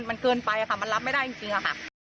มันเกินไปค่ะมันรับไม่ได้จริงอะค่ะ